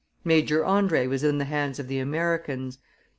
Major Andre was in the hands of the Americans.